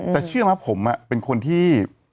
แต่ชื่อมั้ยผมอ่ะเป็นคนที่